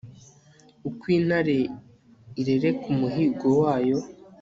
uko intare irereka umuhigo wayo